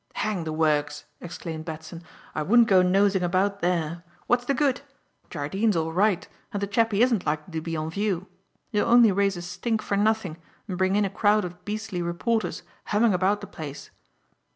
"Hang the works!" exclaimed Batson. "I wouldn't go nosing about there. What's the good? Jardine's alright and the chappie isn't likely to be on view. You'll only raise a stink for nothing and bring in a crowd of beastly reporters humming about the place.